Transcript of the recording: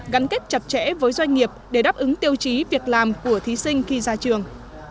gắn kết chặt chẽ với doanh nghiệp để đáp ứng tiêu chí việc làm của thí sinh khi ra trường